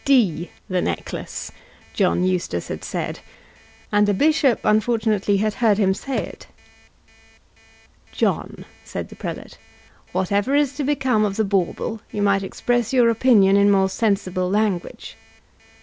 "D the necklace!" John Eustace had said, and the bishop unfortunately had heard him say it! "John," said the prelate, "whatever is to become of the bauble, you might express your opinion in more sensible language."